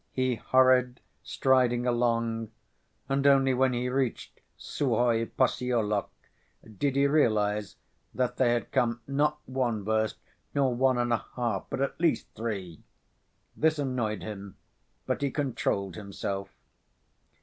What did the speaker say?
He hurried, striding along, and only when he reached Suhoy Possyolok did he realize that they had come not one verst, nor one and a half, but at least three. This annoyed him, but he controlled himself.